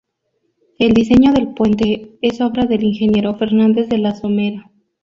El diseño del puente es obra del ingeniero Fernández de la Somera.